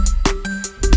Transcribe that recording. gak ada yang nungguin